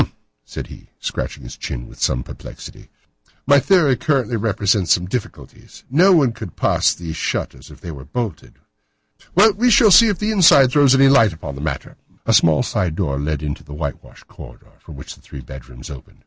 said he, scratching his chin in some perplexity, "my theory certainly presents some difficulties. No one could pass these shutters if they were bolted. Well, we shall see if the inside throws any light upon the matter." A small side door led into the whitewashed corridor from which the three bedrooms opened.